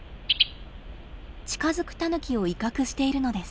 近づくタヌキを威嚇しているのです。